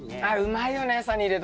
あっうまいよね